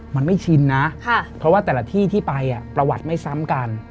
มันไม่ชินนะเพราะว่าแต่ละที่ที่ไปประวัติไม่ซ้ำกัน